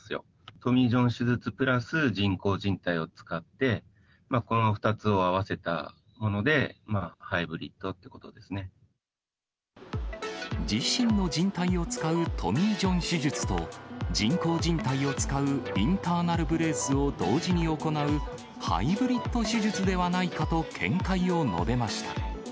トミー・ジョン手術プラス人工じん帯を使って、この２つを合わせたもので、自身のじん帯を使うトミー・ジョン手術と、人工じん帯を使うインターナル・ブレースを同時に行う、ハイブリッド手術ではないかと見解を述べました。